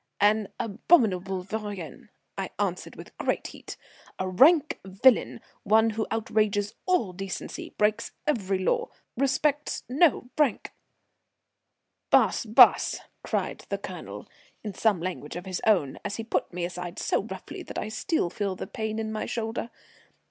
"An abominable vaurien," I answered with great heat. "A rank villain; one who outrages all decency, breaks every law, respects no rank " "Bus, bus," cried the Colonel, in some language of his own, as he put me aside so roughly that I still feel the pain in my shoulder.